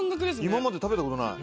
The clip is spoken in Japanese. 今まで食べたことない。